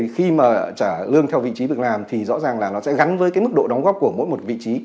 khi mà trả lương theo vị trí việc làm thì rõ ràng là nó sẽ gắn với cái mức độ đóng góp của mỗi một vị trí